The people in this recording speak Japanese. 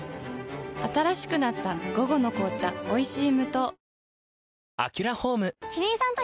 新しくなった「午後の紅茶おいしい無糖」